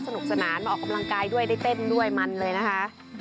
สนุกสนานมาออกกำลังกายด้วยได้เต้นด้วยมันเลยนะคะ